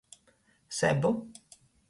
Sebu.